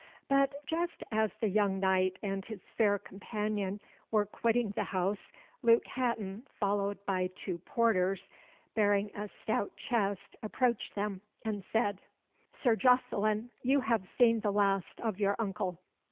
But, just as the young Knight and his fair companion were quitting the house, Luke Hatton, followed by two porters, bearing a stout chest, approached them, and said "Sir Jocelyn, you have seen the last of your uncle.